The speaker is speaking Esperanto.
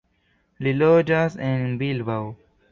Li loĝas en Bilbao.